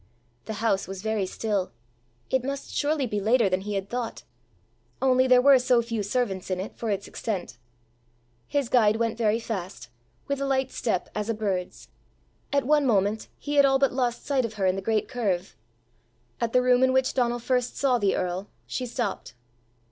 The house was very still: it must surely be later than he had thought only there were so few servants in it for its extent! His guide went very fast, with a step light as a bird's: at one moment he had all but lost sight of her in the great curve. At the room in which Donal first saw the earl, she stopped.